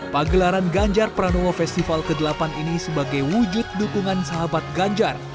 pagelaran ganjar pranowo festival ke delapan ini sebagai wujud dukungan sahabat ganjar